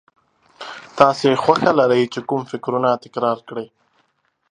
تاسې خوښه لرئ چې کوم فکرونه تکرار کړئ.